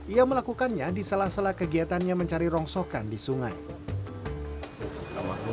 ia melakukannya di salah salah kegiatannya mencari rongsokan di sungai